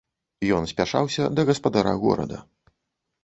Ён спяшаўся да гаспадара горада.